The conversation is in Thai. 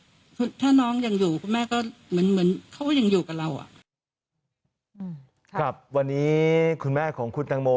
คุณแม่ก็เหมือนเหมือนเขายังอยู่กับเราอ่ะครับวันนี้คุณแม่ของคุณแต่งโม